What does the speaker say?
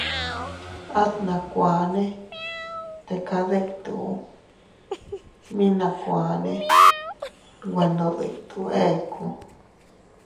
At nakuanne teka dittu, mi nakuane nwe ndo dittu eku.